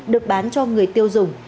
được bán cho người tiêu dùng